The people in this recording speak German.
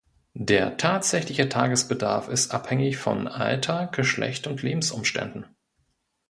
Der tatsächliche Tagesbedarf ist abhängig von Alter, Geschlecht und Lebensumständen.